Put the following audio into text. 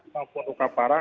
maupun luka parah